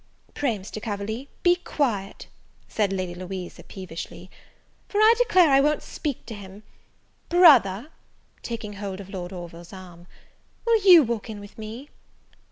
"Pray, Mr. Coverley, be quiet," said Lady Louisa, peevishly; "for I declare I won't speak to him. Brother," taking hold of Lord Orville's arm, "will you walk in with me?"